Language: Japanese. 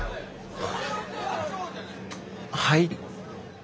はい？